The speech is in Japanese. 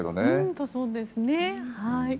そうですね。